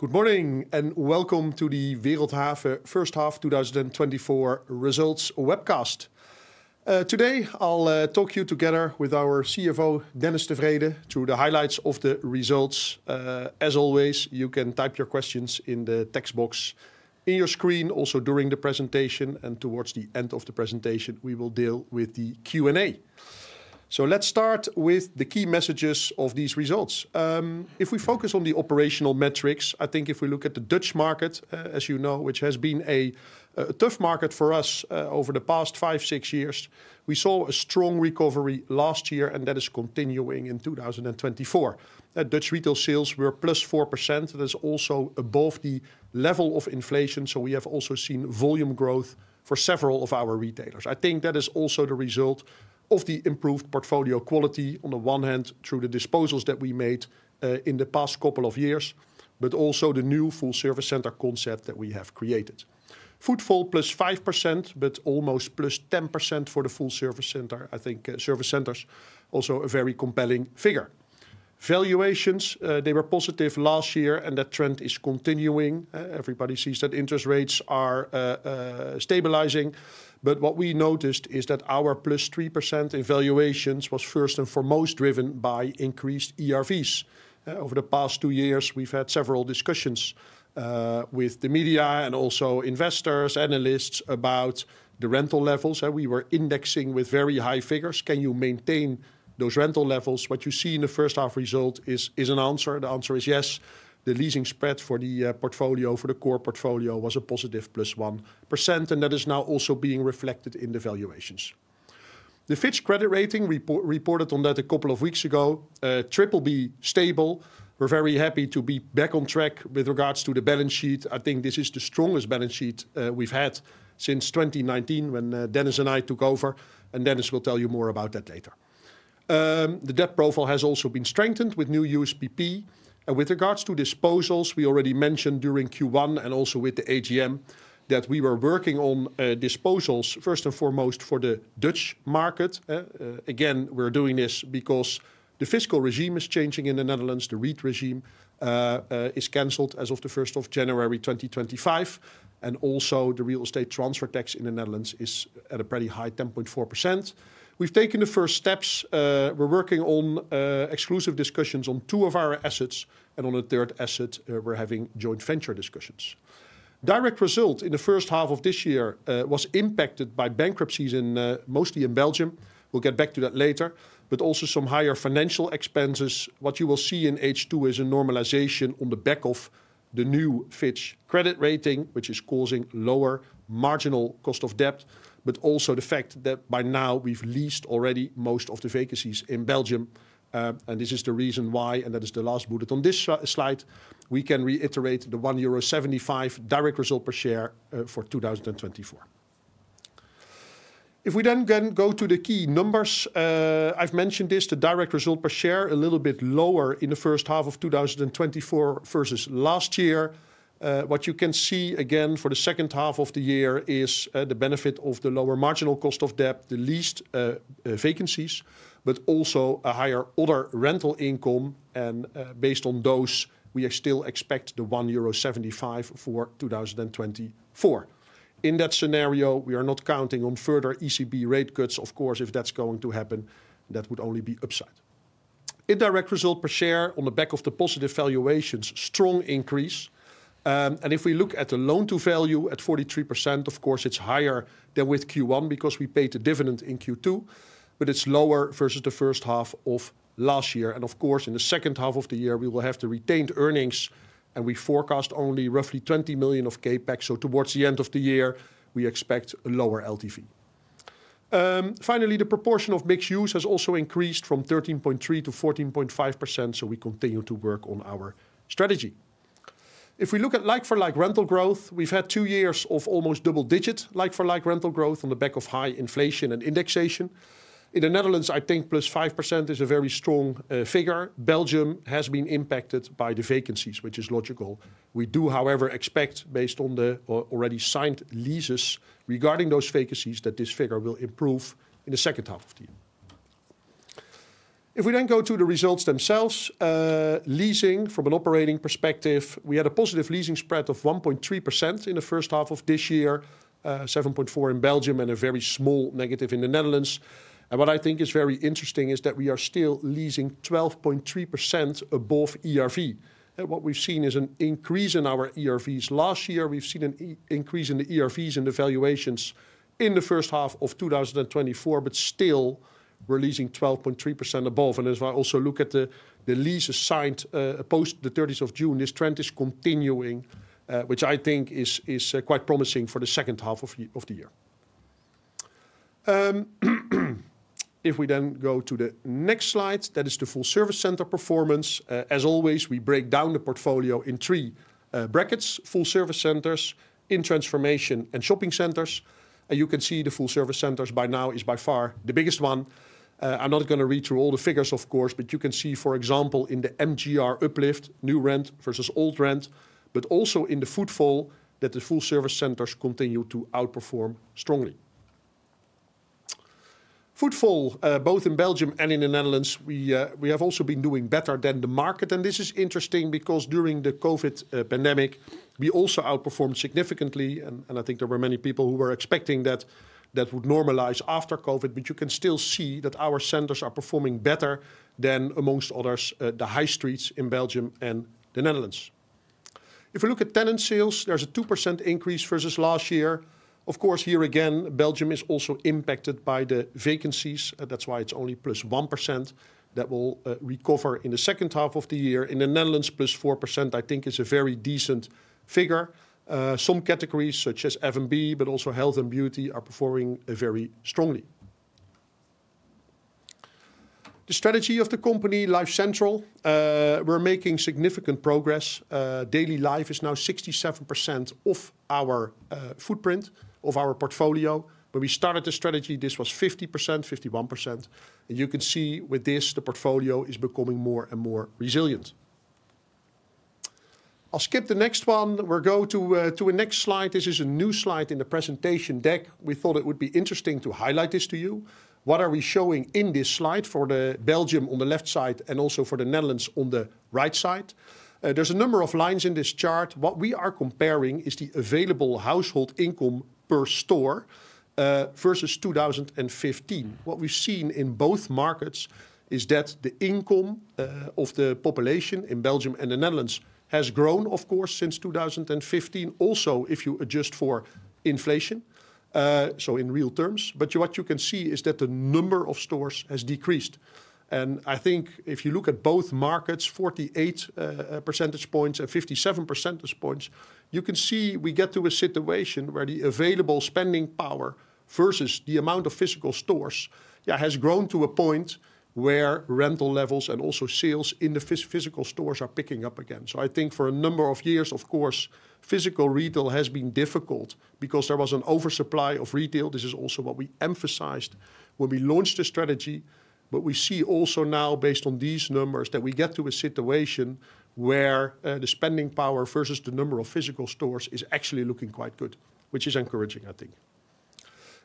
Good morning and welcome to the Wereldhave First Half 2024 Results Webcast. Today I'll talk you together with our CFO, Dennis de Vreede, through the highlights of the results. As always, you can type your questions in the text box on your screen. Also, during the presentation and towards the end of the presentation, we will deal with the Q&A. Let's start with the key messages of these results. If we focus on the operational metrics, I think if we look at the Dutch market, as you know, which has been a tough market for us over the past five, six years, we saw a strong recovery last year, and that is continuing in 2024. Dutch retail sales were +4%. That is also above the level of inflation. So we have also seen volume growth for several of our retailers. I think that is also the result of the improved portfolio quality on the one hand, through the disposals that we made in the past couple of years, but also the new full service center concept that we have created. Footfall +5%, but almost +10% for the full service center. I think service centers are also a very compelling figure. Valuations, they were positive last year, and that trend is continuing. Everybody sees that interest rates are stabilizing. But what we noticed is that our +3% in valuations was first and foremost driven by increased ERVs. Over the past two years, we've had several discussions with the media and also investors, analysts about the rental levels. We were indexing with very high figures. Can you maintain those rental levels? What you see in the first half result is an answer. The answer is yes. The leasing spread for the portfolio, for the core portfolio, was a positive +1%, and that is now also being reflected in the valuations. The Fitch Ratings credit rating reported on that a couple of weeks ago. BBB stable. We're very happy to be back on track with regards to the balance sheet. I think this is the strongest balance sheet we've had since 2019 when Dennis and I took over. And Dennis will tell you more about that later. The debt profile has also been strengthened with new USPP. With regards to disposals, we already mentioned during Q1 and also with the AGM that we were working on disposals first and foremost for the Dutch market. Again, we're doing this because the fiscal regime is changing in the Netherlands. The REIT regime is canceled as of the 1st of January 2025. Also the real estate transfer tax in the Netherlands is at a pretty high 10.4%. We've taken the first steps. We're working on exclusive discussions on two of our assets, and on a third asset, we're having joint venture discussions. Direct result in the first half of this year was impacted by bankruptcies, mostly in Belgium. We'll get back to that later, but also some higher financial expenses. What you will see in H2 is a normalization on the back of the new Fitch credit rating, which is causing lower marginal cost of debt, but also the fact that by now we've leased already most of the vacancies in Belgium. And this is the reason why, and that is the last bullet on this slide. We can reiterate the 1.75 euro direct result per share for 2024. If we then go to the key numbers, I've mentioned this, the direct result per share a little bit lower in the first half of 2024 versus last year. What you can see again for the second half of the year is the benefit of the lower marginal cost of debt, the leased vacancies, but also a higher order rental income. And based on those, we still expect the 1.75 euro for 2024. In that scenario, we are not counting on further ECB rate cuts. Of course, if that's going to happen, that would only be upside. Indirect result per share on the back of the positive valuations, strong increase. And if we look at the loan to value at 43%, of course, it's higher than with Q1 because we paid the dividend in Q2, but it's lower versus the first half of last year. Of course, in the second half of the year, we will have the retained earnings, and we forecast only roughly 20 million of CAPEX. Towards the end of the year, we expect a lower LTV. Finally, the proportion of mixed use has also increased from 13.3% to 14.5%. We continue to work on our strategy. If we look at like-for-like rental growth, we've had two years of almost double-digit like-for-like rental growth on the back of high inflation and indexation. In the Netherlands, I think +5% is a very strong figure. Belgium has been impacted by the vacancies, which is logical. We do, however, expect, based on the already signed leases regarding those vacancies, that this figure will improve in the second half of the year. If we then go to the results themselves, leasing from an operating perspective, we had a positive leasing spread of 1.3% in the first half of this year, 7.4% in Belgium and a very small negative in the Netherlands. And what I think is very interesting is that we are still leasing 12.3% above ERV. What we've seen is an increase in our ERVs last year. We've seen an increase in the ERVs and the valuations in the first half of 2024, but still we're leasing 12.3% above. And as I also look at the leases signed post the 30th of June, this trend is continuing, which I think is quite promising for the second half of the year. If we then go to the next slide, that is the full service center performance. As always, we break down the portfolio in three brackets: Full Service Centers, in-transformation, and shopping centers. You can see the Full Service Centers by now is by far the biggest one. I'm not going to read through all the figures, of course, but you can see, for example, in the MGR uplift, new rent versus old rent, but also in the footfall for that the Full Service Centers continue to outperform strongly. Footfall for both in Belgium and in the Netherlands, we have also been doing better than the market. This is interesting because during the COVID pandemic, we also outperformed significantly. I think there were many people who were expecting that that would normalize after COVID. But you can still see that our centers are performing better than amongst others, the high streets in Belgium and in the Netherlands. If we look at tenant sales, there's a 2% increase versus last year. Of course, here again, Belgium is also impacted by the vacancies. That's why it's only +1% that will recover in the second half of the year. In the Netherlands, +4%, I think is a very decent figure. Some categories such as F&B, but also health and beauty are performing very strongly. The strategy of the company, Life Central, we're making significant progress. Daily life is now 67% of our footprint of our portfolio. When we started the strategy, this was 50%, 51%. You can see with this, the portfolio is becoming more and more resilient. I'll skip the next one. We'll go to the next slide. This is a new slide in the presentation deck. We thought it would be interesting to highlight this to you. What are we showing in this slide for Belgium on the left side and also for the Netherlands on the right side? There's a number of lines in this chart. What we are comparing is the available household income per store versus 2015. What we've seen in both markets is that the income of the population in Belgium and the Netherlands has grown, of course, since 2015, also if you adjust for inflation. So in real terms. But what you can see is that the number of stores has decreased. I think if you look at both markets, 48 percentage points and 57 percentage points, you can see we get to a situation where the available spending power versus the amount of physical stores has grown to a point where rental levels and also sales in the physical stores are picking up again. So I think for a number of years, of course, physical retail has been difficult because there was an oversupply of retail. This is also what we emphasized when we launched the strategy. But we see also now, based on these numbers, that we get to a situation where the spending power versus the number of physical stores is actually looking quite good, which is encouraging, I think.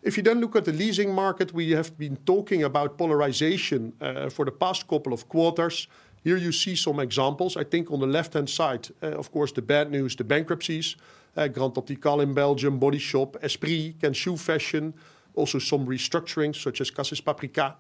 If you then look at the leasing market, we have been talking about polarization for the past couple of quarters. Here you see some examples. I think on the left-hand side, of course, the bad news, the bankruptcies, GrandOptical in Belgium, Body Shop, Esprit, Can-Shoe Fashion, also some restructuring such as Cassis & Paprika.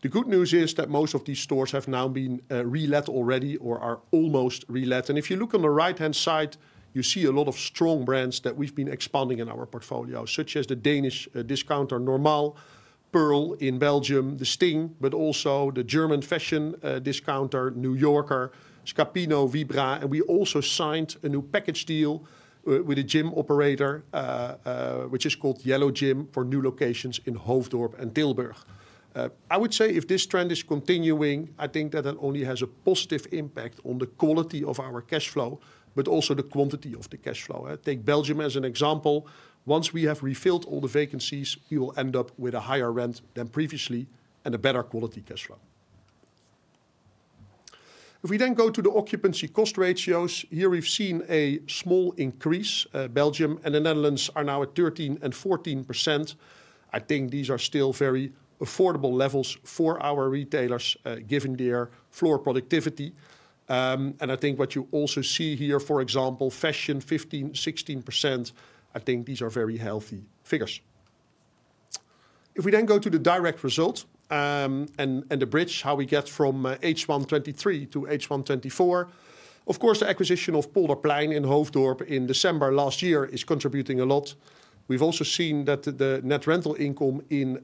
The good news is that most of these stores have now been relet already or are almost relet. And if you look on the right-hand side, you see a lot of strong brands that we've been expanding in our portfolio, such as the Danish discounter NORMAL, Pearle in Belgium, The Sting, but also the German fashion discounter NEW YORKER, Scapino, Vibra. And we also signed a new package deal with a gym operator, which is called Yellow Gym for new locations in Hoofddorp and Tilburg. I would say if this trend is continuing, I think that it only has a positive impact on the quality of our cash flow, but also the quantity of the cash flow. Take Belgium as an example. Once we have refilled all the vacancies, you will end up with a higher rent than previously and a better quality cash flow. If we then go to the occupancy cost ratios, here we've seen a small increase. Belgium and the Netherlands are now at 13% and 14%. I think these are still very affordable levels for our retailers given their floor productivity. And I think what you also see here, for example, fashion, 15%, 16%. I think these are very healthy figures. If we then go to the direct result and the bridge, how we get from H1 2023 to H1 2024, of course, the acquisition of Polderplein in Hoofddorp in December last year is contributing a lot. We've also seen that the net rental income in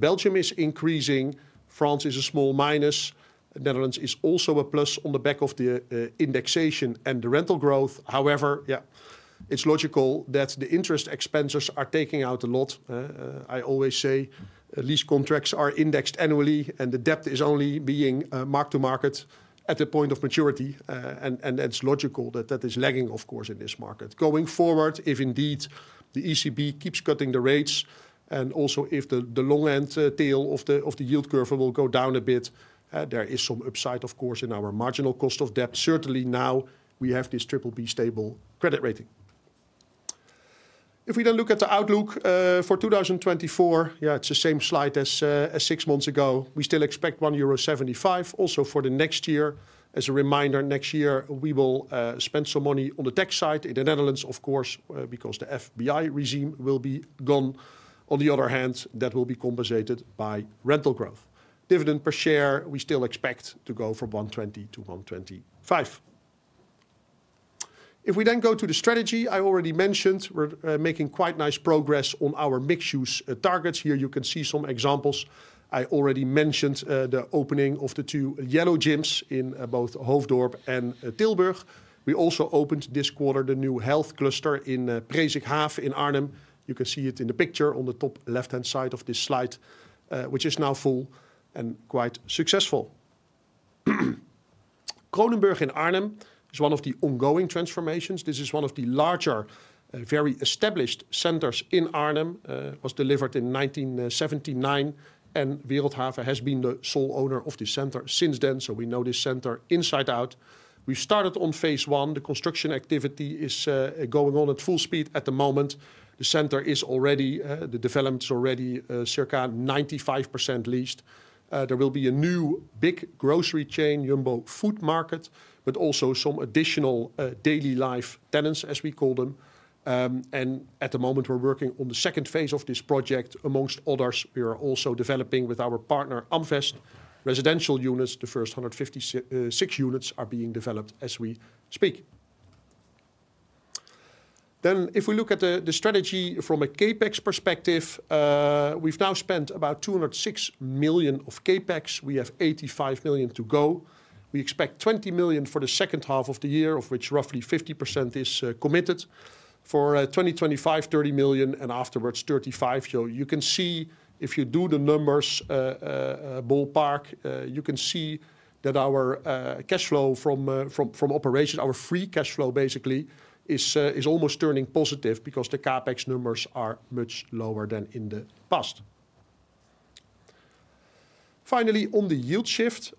Belgium is increasing. France is a small minus. The Netherlands is also a plus on the back of the indexation and the rental growth. However, yeah, it's logical that the interest expenses are taking out a lot. I always say lease contracts are indexed annually and the debt is only being marked to market at the point of maturity. That's logical that that is lagging, of course, in this market. Going forward, if indeed the ECB keeps cutting the rates and also if the long end tail of the yield curve will go down a bit, there is some upside, of course, in our marginal cost of debt. Certainly now we have this BBB stable credit rating. If we then look at the outlook for 2024, yeah, it's the same slide as six months ago. We still expect 1.75 euro also for the next year. As a reminder, next year we will spend some money on the tech side in the Netherlands, of course, because the REIT regime will be gone. On the other hand, that will be compensated by rental growth. Dividend per share, we still expect to go from 1.20 to 1.25. If we then go to the strategy I already mentioned, we're making quite nice progress on our mixed use targets. Here you can see some examples. I already mentioned the opening of the two Yellow Gyms in both Hoofddorp and Tilburg. We also opened this quarter the new health cluster in Presikhaaf in Arnhem. You can see it in the picture on the top left-hand side of this slide, which is now full and quite successful. Kronenburg in Arnhem is one of the ongoing transformations. This is one of the larger, very established centers in Arnhem. It was delivered in 1979 and Wereldhave has been the sole owner of the center since then. So we know this center inside out. We've started on phase one. The construction activity is going on at full speed at the moment. The center is already, the development is already circa 95% leased. There will be a new big grocery chain, Jumbo Foodmarkt, but also some additional daily life tenants, as we call them. At the moment, we're working on the second phase of this project. Amongst others, we are also developing with our partner Amvest residential units. The first 156 units are being developed as we speak. If we look at the strategy from a CAPEX perspective, we've now spent about 206 million of CAPEX. We have 85 million to go. We expect 20 million for the second half of the year, of which roughly 50% is committed for 2025, 30 million, and afterwards 35. So you can see if you do the numbers ballpark, you can see that our cash flow from operations, our free cash flow basically is almost turning positive because the CAPEX numbers are much lower than in the past. Finally, on the yield shift,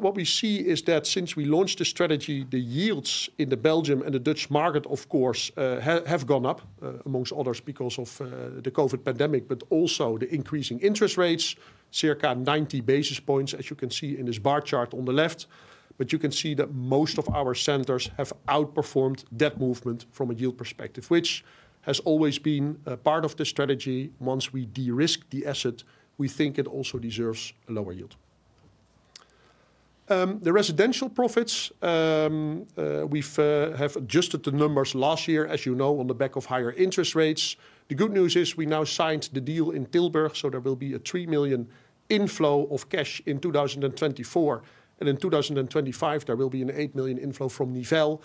what we see is that since we launched the strategy, the yields in Belgium and the Dutch market, of course, have gone up amongst others because of the COVID pandemic, but also the increasing interest rates, circa 90 basis points, as you can see in this bar chart on the left. But you can see that most of our centers have outperformed that movement from a yield perspective, which has always been part of the strategy. Once we de-risk the asset, we think it also deserves a lower yield. The residential profits, we've adjusted the numbers last year, as you know, on the back of higher interest rates. The good news is we now signed the deal in Tilburg, so there will be a 3 million inflow of cash in 2024. And in 2025, there will be an 8 million inflow from Nivelles.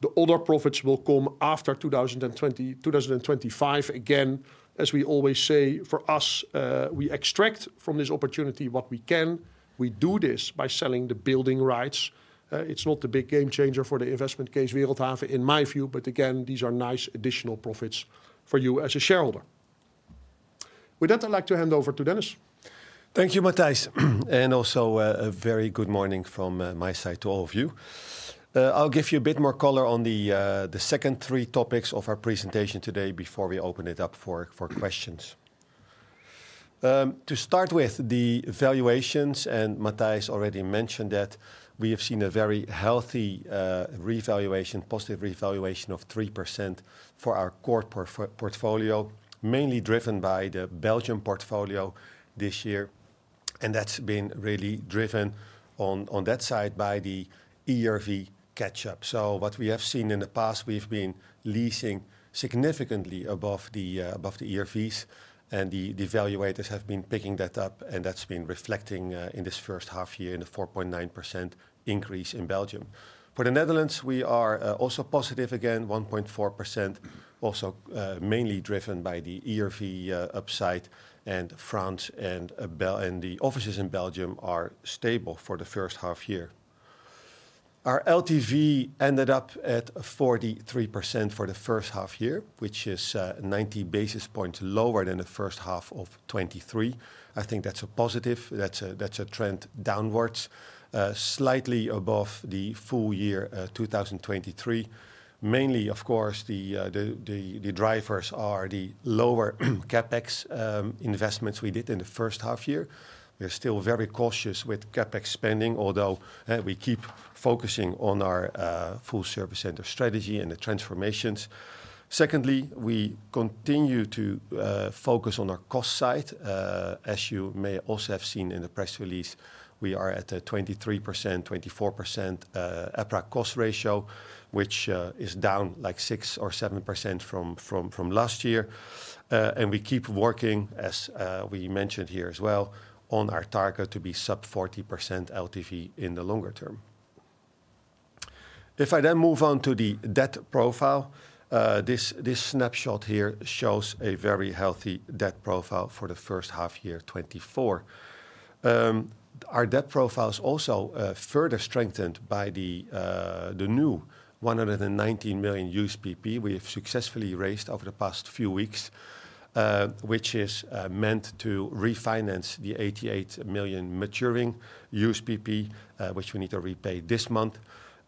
The other profits will come after 2025 again. As we always say, for us, we extract from this opportunity what we can. We do this by selling the building rights. It's not the big game changer for the investment case, Wereldhave, in my view. But again, these are nice additional profits for you as a shareholder. With that, I'd like to hand over to Dennis. Thank you, Matthijs. And also a very good morning from my side to all of you. I'll give you a bit more color on the second three topics of our presentation today before we open it up for questions. To start with the valuations, and Matthijs already mentioned that we have seen a very healthy revaluation, positive revaluation of 3% for our core portfolio, mainly driven by the Belgian portfolio this year. And that's been really driven on that side by the ERV catch-up. So what we have seen in the past, we've been leasing significantly above the ERVs and the valuators have been picking that up. And that's been reflecting in this first half year in a 4.9% increase in Belgium. For the Netherlands, we are also positive again, 1.4%, also mainly driven by the ERV upside. And France and the offices in Belgium are stable for the first half year. Our LTV ended up at 43% for the first half year, which is 90 basis points lower than the first half of 2023. I think that's a positive. That's a trend downwards, slightly above the full year 2023. Mainly, of course, the drivers are the lower CAPEX investments we did in the first half year. We're still very cautious with CAPEX spending, although we keep focusing on our full service center strategy and the transformations. Secondly, we continue to focus on our cost side. As you may also have seen in the press release, we are at a 23%-24% EPRA cost ratio, which is down like 6% or 7% from last year. We keep working, as we mentioned here as well, on our target to be sub 40% LTV in the longer term. If I then move on to the debt profile, this snapshot here shows a very healthy debt profile for the first half year, 2024. Our debt profile is also further strengthened by the new $119 million USPP we have successfully raised over the past few weeks, which is meant to refinance the $88 million maturing USPP, which we need to repay this month.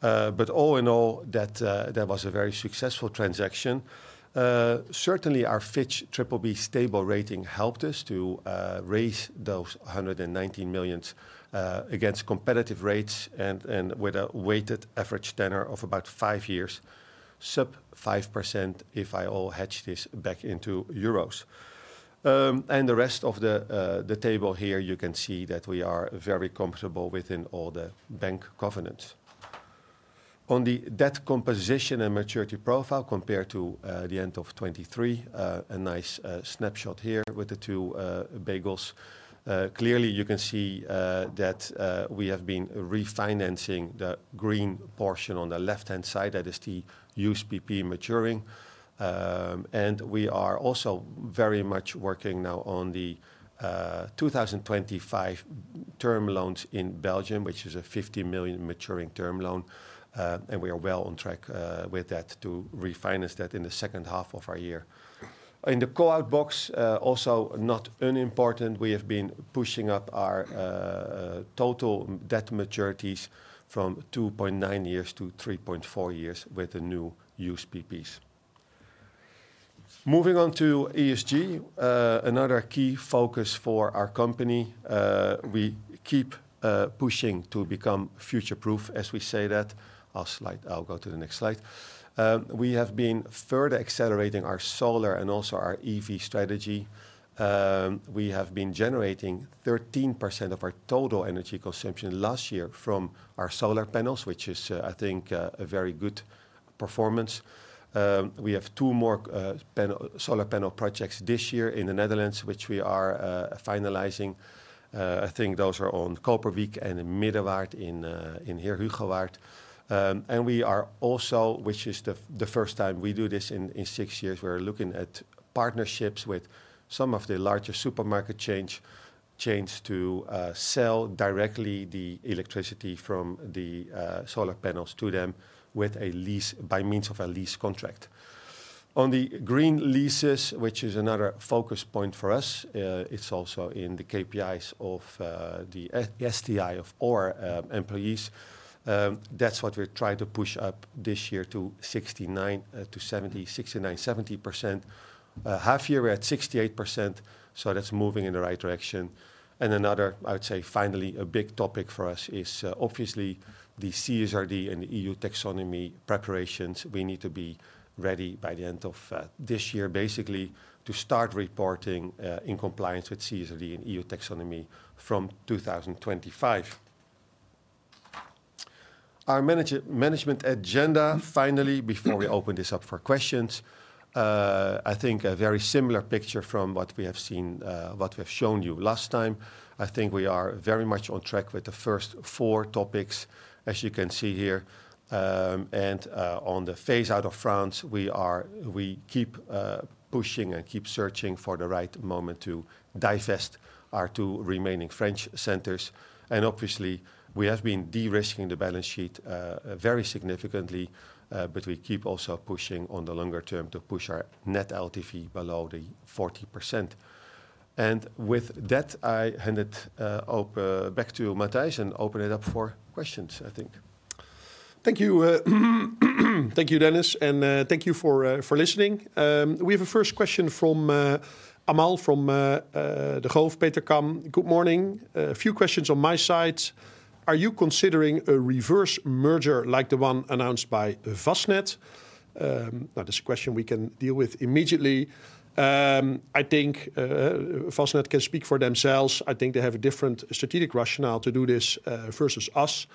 But all in all, that was a very successful transaction. Certainly, our Fitch BBB (Stable) rating helped us to raise those 119 million against competitive rates and with a weighted average tenor of about 5 years, sub-5% if I hedge this back into euros. The rest of the table here, you can see that we are very comfortable within all the bank covenants. On the debt composition and maturity profile compared to the end of 2023, a nice snapshot here with the two bubbles. Clearly, you can see that we have been refinancing the green portion on the left-hand side. That is the USPP maturing. We are also very much working now on the 2025 term loans in Belgium, which is a 50 million maturing term loan. We are well on track with that to refinance that in the second half of our year. In the co-out box, also not unimportant, we have been pushing up our total debt maturities from 2.9 years to 3.4 years with the new USPPs. Moving on to ESG, another key focus for our company. We keep pushing to become future proof, as we say that. I'll go to the next slide. We have been further accelerating our solar and also our EV strategy. We have been generating 13% of our total energy consumption last year from our solar panels, which is, I think, a very good performance. We have two more solar panel projects this year in the Netherlands, which we are finalizing. I think those are on Koperwiek and in Middenwaard in Heerhugowaard. We are also, which is the first time we do this in 6 years, we're looking at partnerships with some of the larger supermarket chains to sell directly the electricity from the solar panels to them by means of a lease contract. On the green leases, which is another focus point for us, it's also in the KPIs of the STI of our employees. That's what we're trying to push up this year to 69%-70%, 69%, 70%. Half year we're at 68%. So that's moving in the right direction. And another, I would say finally, a big topic for us is obviously the CSRD and the EU taxonomy preparations. We need to be ready by the end of this year, basically, to start reporting in compliance with CSRD and EU taxonomy from 2025. Our management agenda, finally, before we open this up for questions, I think a very similar picture from what we have seen, what we have shown you last time. I think we are very much on track with the first four topics, as you can see here. And on the phase out of France, we keep pushing and keep searching for the right moment to divest our two remaining French centers. And obviously, we have been de-risking the balance sheet very significantly, but we keep also pushing on the longer term to push our net LTV below the 40%. And with that, I hand it back to Matthijs and open it up for questions, I think. Thank you. Thank you, Dennis. And thank you for listening. We have a first question from Amal from Degroof Petercam. Good morning. A few questions on my side. Are you considering a reverse merger like the one announced by Fastnet? Now, this is a question we can deal with immediately. I think Fastnet can speak for themselves. I think they have a different strategic rationale to do this versus us.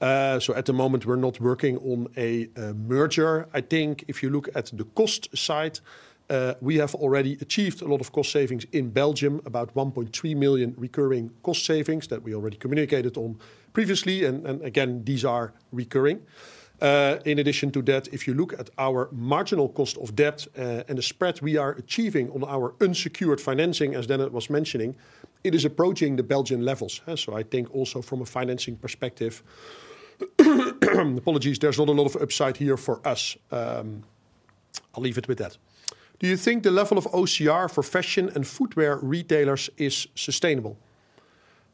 So at the moment, we're not working on a merger. I think if you look at the cost side, we have already achieved a lot of cost savings in Belgium, about 1.3 million recurring cost savings that we already communicated on previously. And again, these are recurring. In addition to that, if you look at our marginal cost of debt and the spread we are achieving on our unsecured financing, as Dennis was mentioning, it is approaching the Belgian levels. So I think also from a financing perspective, apologies, there's not a lot of upside here for us. I'll leave it with that. Do you think the level of OCR for fashion and footwear retailers is sustainable?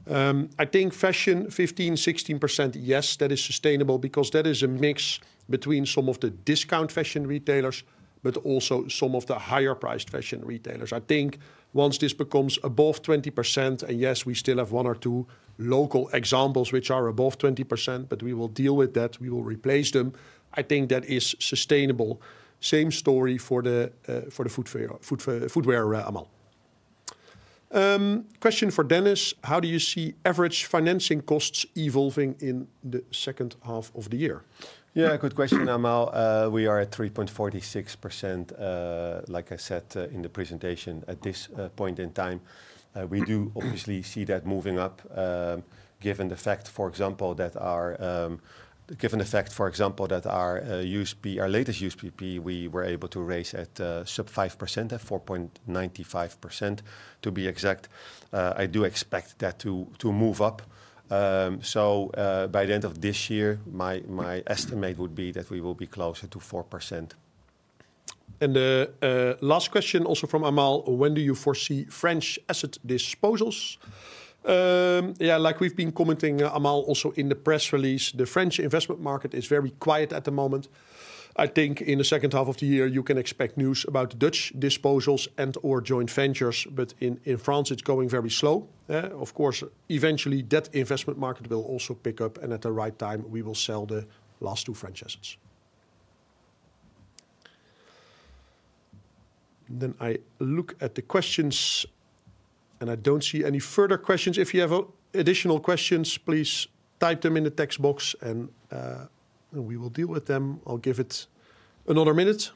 I think fashion 15%, 16%, yes, that is sustainable because that is a mix between some of the discount fashion retailers, but also some of the higher priced fashion retailers. I think once this becomes above 20%, and yes, we still have one or two local examples which are above 20%, but we will deal with that. We will replace them. I think that is sustainable. Same story for the footwear, Amal. Question for Dennis. How do you see average financing costs evolving in the second half of the year? Yeah, good question, Amal. We are at 3.46%, like I said in the presentation at this point in time. We do obviously see that moving up given the fact, for example, that our latest USPP, we were able to raise at sub 5%, at 4.95% to be exact. I do expect that to move up. So by the end of this year, my estimate would be that we will be closer to 4%. And the last question also from Amal. When do you foresee French asset disposals? Yeah, like we've been commenting, Amal, also in the press release, the French investment market is very quiet at the moment. I think in the second half of the year, you can expect news about Dutch disposals and/or joint ventures. But in France, it's going very slow. Of course, eventually that investment market will also pick up. And at the right time, we will sell the last two French assets. Then I look at the questions. I don't see any further questions. If you have additional questions, please type them in the text box and we will deal with them. I'll give it another minute.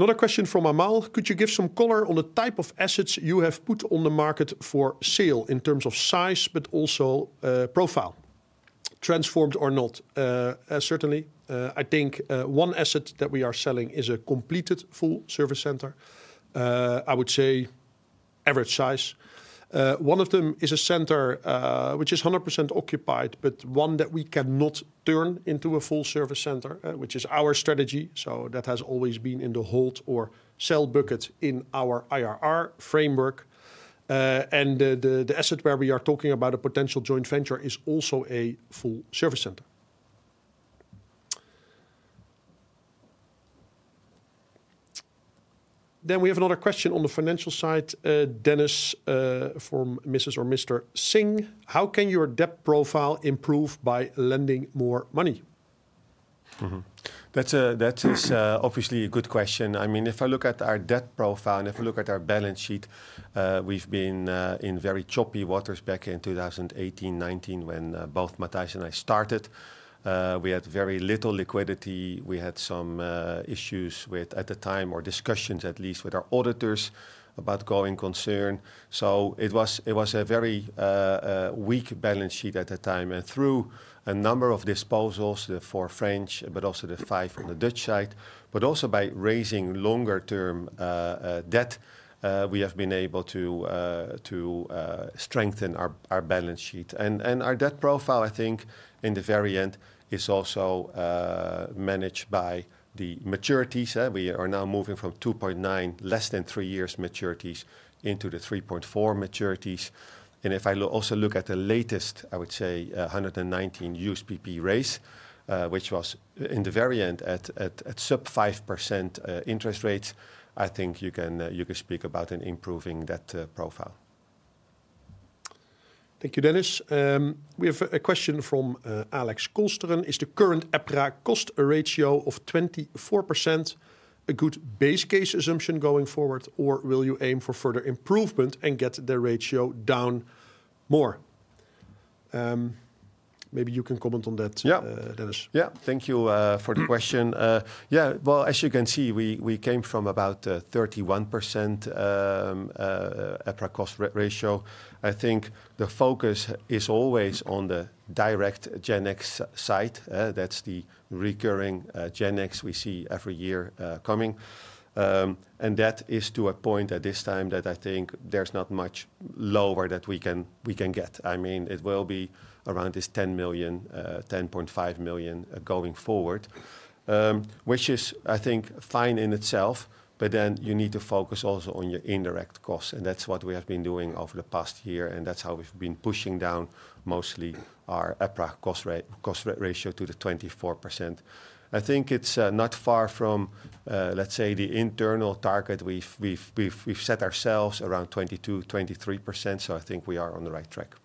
Another question from Amal. Could you give some color on the type of assets you have put on the market for sale in terms of size, but also profile? Transformed or not? Certainly. I think one asset that we are selling is a completed full service center. I would say average size. One of them is a center which is 100% occupied, but one that we cannot turn into a full service center, which is our strategy. So that has always been in the hold or sell bucket in our IRR framework. And the asset where we are talking about a potential joint venture is also a full service center. Then we have another question on the financial side, Dennis, from Mrs. or Mr. Singh. How can your debt profile improve by lending more money? That is obviously a good question. I mean, if I look at our debt profile and if I look at our balance sheet, we've been in very choppy waters back in 2018, 2019 when both Matthijs and I started. We had very little liquidity. We had some issues with, at the time, or discussions at least with our auditors about growing concern. So it was a very weak balance sheet at the time. And through a number of disposals, the 4 French, but also the 5 on the Dutch side, but also by raising longer-term debt, we have been able to strengthen our balance sheet. And our debt profile, I think in the very end, is also managed by the maturities. We are now moving from 2.9, less than three years maturities, into the 3.4 maturities. And if I also look at the latest, I would say 2019 USPP raise, which was in the very end at sub-5% interest rates, I think you can speak about an improving debt profile. Thank you, Dennis. We have a question from Alex Kolsteren. Is the current EPRA cost ratio of 24% a good base case assumption going forward, or will you aim for further improvement and get the ratio down more? Maybe you can comment on that, Dennis. Yeah, thank you for the question. Yeah, well, as you can see, we came from about 31% EPRA cost ratio. I think the focus is always on the direct result side. That's the recurring result we see every year coming. That is to a point at this time that I think there's not much lower that we can get. I mean, it will be around this 10 million, 10.5 million going forward, which is, I think, fine in itself. But then you need to focus also on your indirect costs. That's what we have been doing over the past year. That's how we've been pushing down mostly our EPRA cost ratio to the 24%. I think it's not far from, let's say, the internal target we've set ourselves around 22%, 23%. So I think we are on the right track.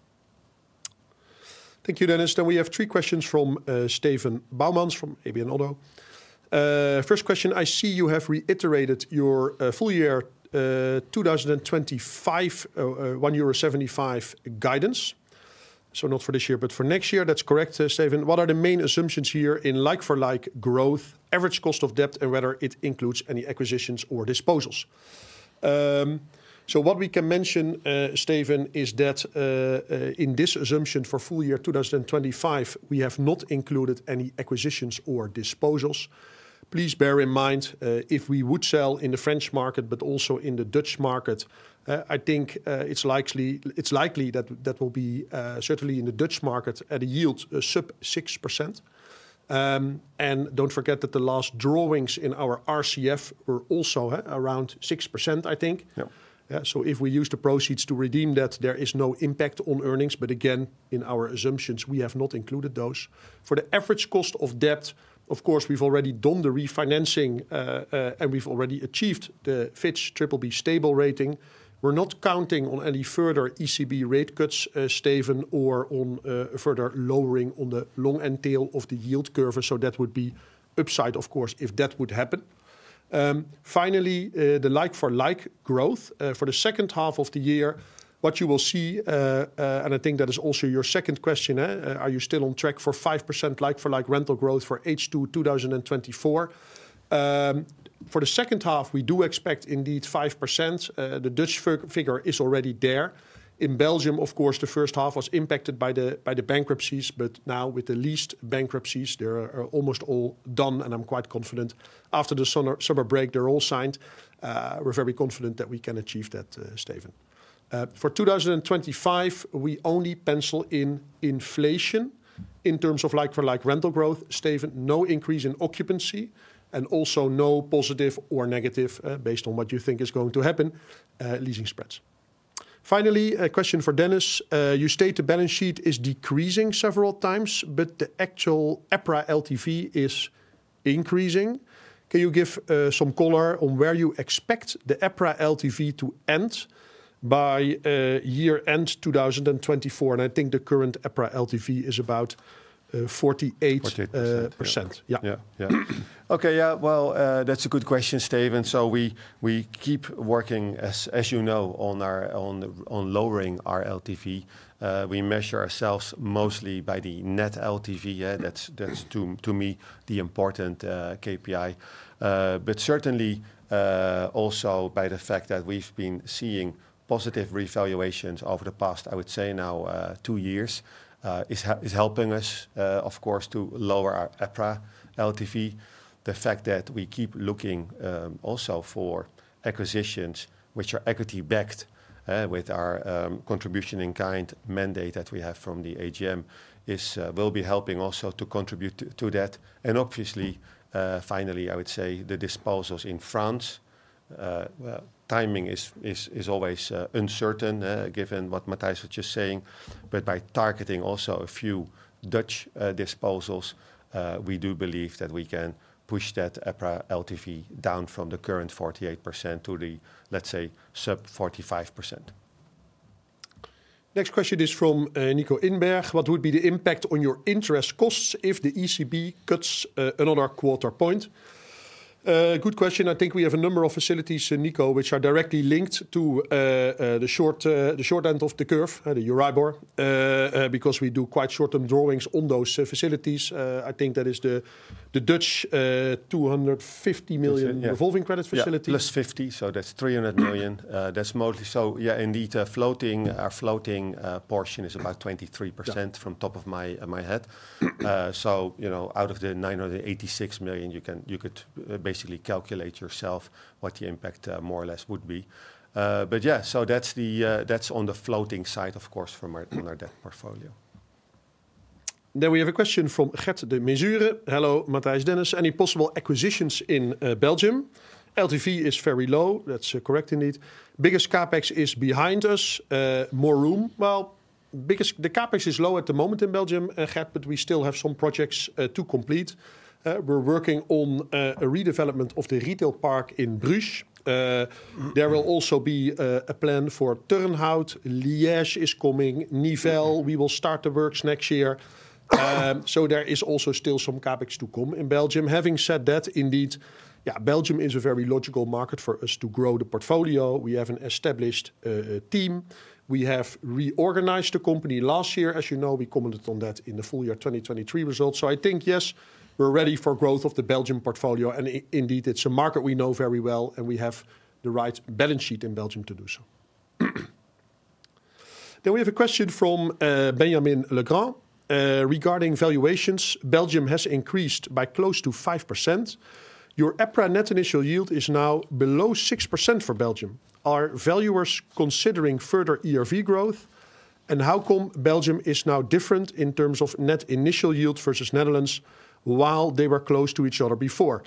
Thank you, Dennis. Then we have three questions from Steven Boumans from ABN AMRO. First question, I see you have reiterated your full year 2025 1.75 euro guidance. So not for this year, but for next year. That's correct, Steven. What are the main assumptions here in like-for-like growth, average cost of debt, and whether it includes any acquisitions or disposals? So what we can mention, Steven, is that in this assumption for full year 2025, we have not included any acquisitions or disposals. Please bear in mind, if we would sell in the French market, but also in the Dutch market, I think it's likely that that will be certainly in the Dutch market at a yield sub 6%. And don't forget that the last drawings in our RCF were also around 6%, I think. So if we use the proceeds to redeem that, there is no impact on earnings. But again, in our assumptions, we have not included those. For the average cost of debt, of course, we've already done the refinancing and we've already achieved the Fitch BBB stable rating. We're not counting on any further ECB rate cuts, Steven, or on a further lowering on the long end tail of the yield curve. So that would be upside, of course, if that would happen. Finally, the like-for-like growth for the second half of the year, what you will see, and I think that is also your second question, are you still on track for 5% like-for-like rental growth for H2 2024? For the second half, we do expect indeed 5%. The Dutch figure is already there. In Belgium, of course, the first half was impacted by the bankruptcies, but now with the last bankruptcies, they're almost all done. And I'm quite confident after the summer break, they're all signed. We're very confident that we can achieve that, Steven. For 2025, we only pencil in inflation in terms of like-for-like rental growth, Steven, no increase in occupancy, and also no positive or negative based on what you think is going to happen, leasing spreads. Finally, a question for Dennis. You state the balance sheet is decreasing several times, but the actual appraised LTV is increasing. Can you give some color on where you expect the appraised LTV to end by year-end 2024? And I think the current appraised LTV is about 48%. Yeah, yeah, yeah. Okay, yeah, well, that's a good question, Steven. So we keep working, as you know, on lowering our LTV. We measure ourselves mostly by the net LTV. That's, to me, the important KPI. But certainly also by the fact that we've been seeing positive revaluations over the past, I would say, now two years is helping us, of course, to lower our apparent LTV. The fact that we keep looking also for acquisitions which are equity-backed with our contribution in kind mandate that we have from the AGM will be helping also to contribute to that. And obviously, finally, I would say the disposals in France, timing is always uncertain given what Matthijs was just saying. But by targeting also a few Dutch disposals, we do believe that we can push that apparent LTV down from the current 48% to the, let's say, sub 45%. Next question is from Nico in Bergen. What would be the impact on your interest costs if the ECB cuts another quarter point? Good question. I think we have a number of facilities, Nico, which are directly linked to the short end of the curve, the Euribor, because we do quite short-term drawings on those facilities. I think that is the Dutch 250 million revolving credit facility. Yeah, plus 50 million, so that's 300 million. That's mostly so, yeah, indeed, our floating portion is about 23% from top of my head. So out of the 986 million, you could basically calculate yourself what the impact more or less would be. But yeah, so that's on the floating side, of course, from our debt portfolio. Then we have a question from Gert De Mesure. Hello, Matthijs, Dennis. Any possible acquisitions in Belgium? LTV is very low. That's correct indeed. Biggest CAPEX is behind us. More room. Well, the CAPEX is low at the moment in Belgium, Gert, but we still have some projects to complete. We're working on a redevelopment of the retail park in Bruges. There will also be a plan for Turnhout. Liège is coming. Nivelles. We will start the works next year. So there is also still some CAPEX to come in Belgium. Having said that, indeed, Belgium is a very logical market for us to grow the portfolio. We have an established team. We have reorganized the company last year. As you know, we commented on that in the full year 2023 results. So I think, yes, we're ready for growth of the Belgium portfolio. And indeed, it's a market we know very well. And we have the right balance sheet in Belgium to do so. Then we have a question from Benjamin Legrand regarding valuations. Belgium has increased by close to 5%. Your apparent net initial yield is now below 6% for Belgium. Are valuers considering further ERV growth? How come Belgium is now different in terms of net initial yield versus Netherlands while they were close to each other before?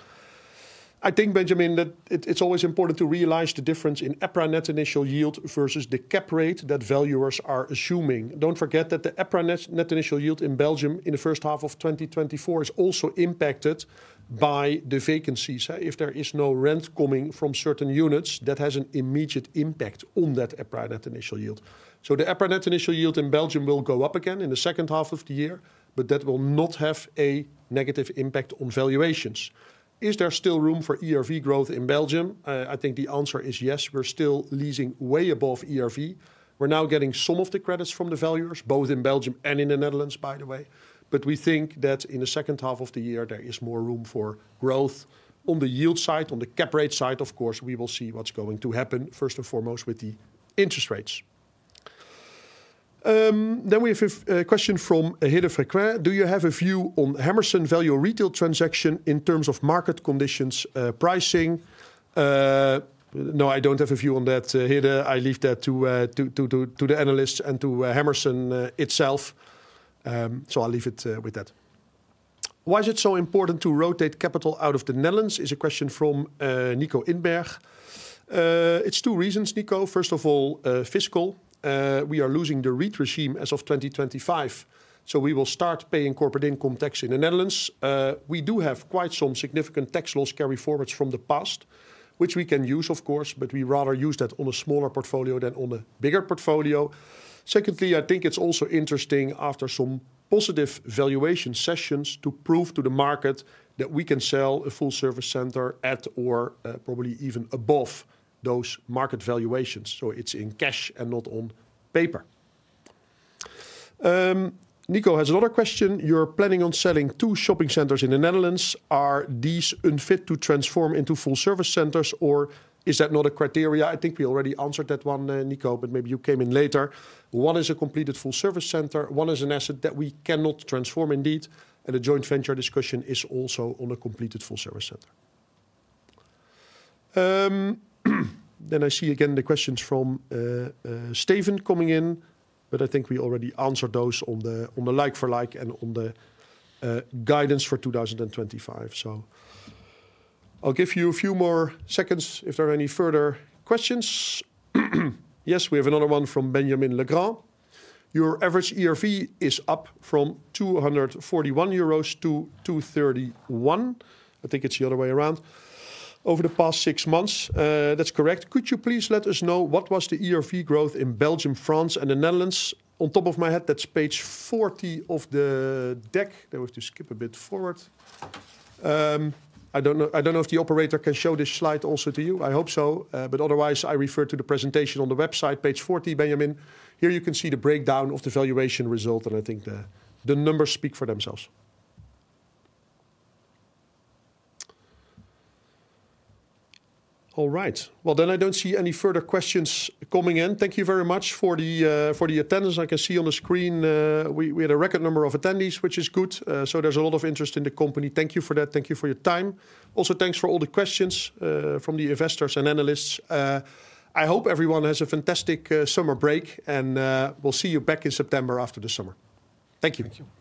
I think, Benjamin, that it's always important to realize the difference in apparent net initial yield versus the cap rate that valuers are assuming. Don't forget that the apparent net initial yield in Belgium in the first half of 2024 is also impacted by the vacancies. If there is no rent coming from certain units, that has an immediate impact on that apparent net initial yield. So the apparent net initial yield in Belgium will go up again in the second half of the year, but that will not have a negative impact on valuations. Is there still room for ERV growth in Belgium? I think the answer is yes. We're still leasing way above ERV. We're now getting some of the credits from the valuers, both in Belgium and in the Netherlands, by the way. But we think that in the second half of the year, there is more room for growth. On the yield side, on the cap rate side, of course, we will see what's going to happen first and foremost with the interest rates. Then we have a question from Hidde Frequin. Do you have a view on Hammerson Value Retail transaction in terms of market conditions pricing? No, I don't have a view on that, Hidde. I leave that to the analysts and to Hammerson itself. So I'll leave it with that. Why is it so important to rotate capital out of the Netherlands? Is a question from Nico in Bergen. It's two reasons, Nico. First of all, fiscal. We are losing the REIT regime as of 2025. So we will start paying corporate income tax in the Netherlands. We do have quite some significant tax loss carry forwards from the past, which we can use, of course, but we rather use that on a smaller portfolio than on a bigger portfolio. Secondly, I think it's also interesting after some positive valuation sessions to prove to the market that we can sell a full service center at or probably even above those market valuations. So it's in cash and not on paper. Nico has another question. You're planning on selling two shopping centers in the Netherlands. Are these unfit to transform into full service centers or is that not a criteria? I think we already answered that one, Nico, but maybe you came in later. One is a completed full service center. One is an asset that we cannot transform indeed. The joint venture discussion is also on a completed full service center. Then I see again the questions from Steven coming in, but I think we already answered those on the like-for-like and on the guidance for 2025. So I'll give you a few more seconds if there are any further questions. Yes, we have another one from Benjamin Legrand. Your average ERV is up from 241 euros to 231. I think it's the other way around over the past six months. That's correct. Could you please let us know what was the ERV growth in Belgium, France, and the Netherlands? On top of my head, that's page 40 of the deck. There was to skip a bit forward. I don't know if the operator can show this slide also to you. I hope so. But otherwise, I refer to the presentation on the website, page 40, Benjamin. Here you can see the breakdown of the valuation result. I think the numbers speak for themselves. All right. Well, then I don't see any further questions coming in. Thank you very much for the attendance. I can see on the screen we had a record number of attendees, which is good. There's a lot of interest in the company. Thank you for that. Thank you for your time. Also, thanks for all the questions from the investors and analysts. I hope everyone has a fantastic summer break and we'll see you back in September after the summer. Thank you.